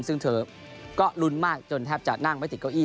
ซึ่งเธอก็ลุ้นมากจนแทบจะนั่งไม่ติดเก้าอี